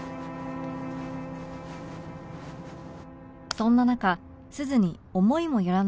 そんな中鈴に思いもよらない訃報が